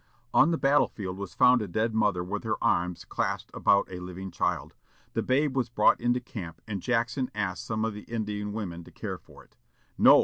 On the battle field was found a dead mother with her arms clasped about a living child. The babe was brought into camp, and Jackson asked some of the Indian women to care for it. "No!"